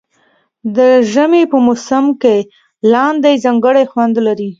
د ژمي په موسم کې لاندی ځانګړی خوند لري.